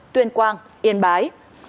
tuyên quang yên bái